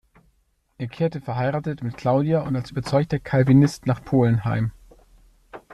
Er kehrte verheiratet mit Claudia und als überzeugter Calvinist nach Polen heim.